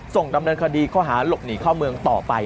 ส่งดำเนินคดีข้อหาหลบหนีเข้าเมืองต่อไป